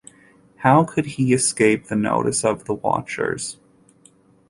How could he escape the notice of the watchers?